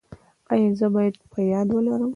ایا زه باید په یاد ولرم؟